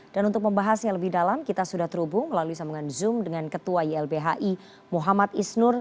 dan untuk membahasnya lebih dalam kita sudah terhubung melalui sambungan zoom dengan ketua ylbhi muhammad isnur